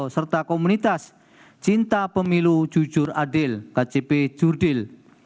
serta komunitas cinta pemilu jujur adil kcp jurdil